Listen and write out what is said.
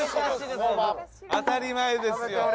当たり前ですよ。